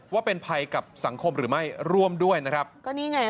ว่าเป็นภัยกับสังคมหรือไม่ร่วมด้วยนะครับก็นี่ไง